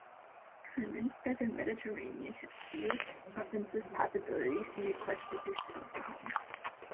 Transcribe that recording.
Convinced that the Mediterranean held few offensive possibilities he requested to sail for home.